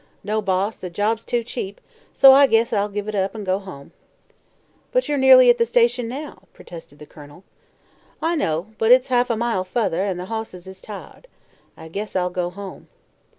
No, Boss, the job's too cheap, so I guess I'll give it up an' go home." "But you're nearly at the station now," protested the Colonel. "I know; but it's half a mile fu'ther an' the hosses is tired. I guess I'll go home."